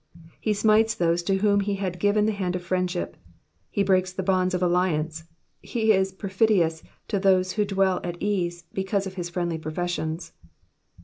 ^^ He smites those to whom he had given the hand of friendship, he breaks the bonds of alliance, he is pierfidious to those who dwell at ease because of his friendly professions.